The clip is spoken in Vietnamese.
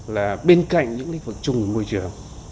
là bên cạnh những lĩnh vực chung về môi trường